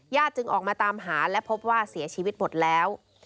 จึงออกมาตามหาและพบว่าเสียชีวิตหมดแล้ว